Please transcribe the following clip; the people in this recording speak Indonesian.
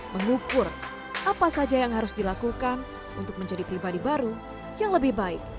mengukur apa saja yang harus dilakukan untuk menjadi pribadi baru yang lebih baik